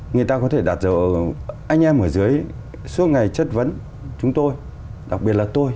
người ta có thể đặt dấu anh em ở dưới suốt ngày chất vấn chúng tôi đặc biệt là tôi